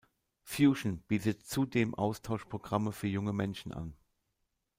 Fusion bietet zudem Austauschprogramme für junge Menschen an.